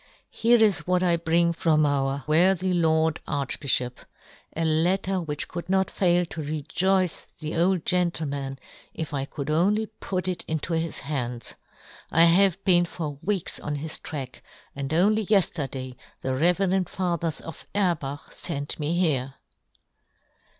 " Here is what " I bring from our worthy Lord " Archbiftiop — a letter which could " not fail to rejoice the old gentle " man if I could only put it into his " hands. I have been for weeks on 102 John Gutenberg. " his track, and only yefterday the " reverend fathers of Erbach fent " me here."